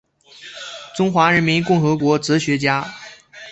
中华人民共和国哲学家。